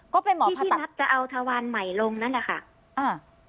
ก็เป็นหมอผ่าตัดที่ที่นับจะเอาทวารใหม่ลงนั่นแหละค่ะอ่า